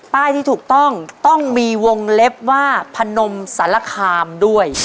ที่ถูกต้องต้องมีวงเล็บว่าพนมสารคามด้วย